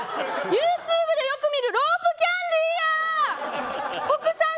ＹｏｕＴｕｂｅでよく見るロープキャンディーやん！